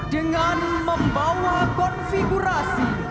dengan membawa konfigurasi